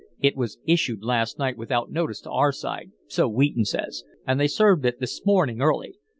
It was issued last night without notice to our side, so Wheaton says, and they served it this morning early.